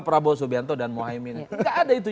prabowo subianto dan mohaimin enggak ada itu